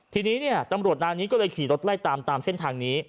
ทีนี้เนี่ยตำรวจนายนี้ก็เลยขี่รถไล่ตามตามเส้นทางนี้